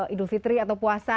idul fitri atau puasa